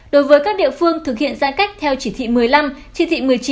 đối với các địa phương thực hiện giãn cách theo chỉ thị một mươi năm chỉ thị một mươi chín